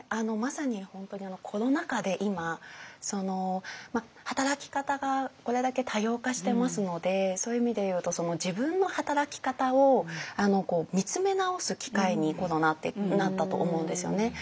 まさに本当にコロナ禍で今働き方がこれだけ多様化してますのでそういう意味でいうと自分の働き方を見つめ直す機会にコロナってなったと思うんですよね。